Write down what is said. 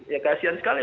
ya kasian sekali